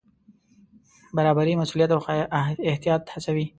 برابري مسوولیت او احتیاط هڅوي.